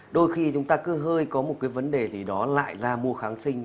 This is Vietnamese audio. đôi khi chúng ta cứ hơi có một cái vấn đề gì đó lại ra mua kháng sinh